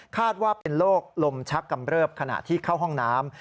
ว่าเป็นโรคลมชักกำเริบขณะที่เข้าห้องน้ำ